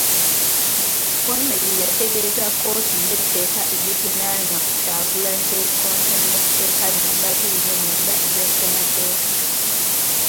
Wameli yategeeza kkooti ng'etteeka erivunaanwa Kyagulanyi bwe likontana n'etteeka nnamba abiri mu mwenda erya ssemateeka